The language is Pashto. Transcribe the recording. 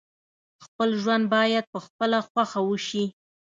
خپل ژوند باید په خپله خوښه وسي.